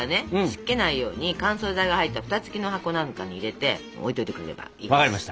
湿気ないように乾燥剤が入ったフタ付きの箱なんかに入れて置いといてくれればいいです。